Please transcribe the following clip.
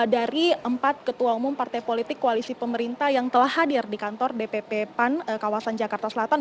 dari empat ketua umum partai politik koalisi pemerintah yang telah hadir di kantor dpp pan kawasan jakarta selatan